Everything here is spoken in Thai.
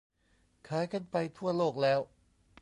ขายกันไปทั่วโลกแล้ว